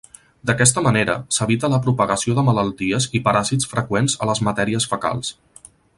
D'aquesta manera, s'evita la propagació de malalties i paràsits freqüents a les matèries fecals.